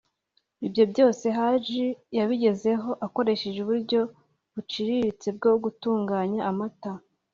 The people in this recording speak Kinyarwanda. Ibyo byose Haji yabigezeho akoresha uburyo buciriritse bwo gutunganya amata